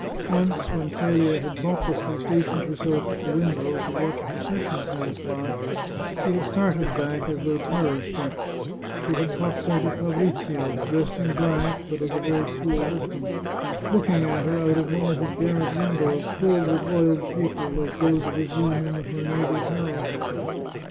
Once, when Qelia had thoughtlessly stationed herself at the win dow, to watch a procession pass by, she had started back, as though terror struck. She had caught sight of Fabrizio, dressed in black, but as a very poor workman, looking at her out of one of his garret windows, filled with oiled paper, like those of his room in the Farnese Tower.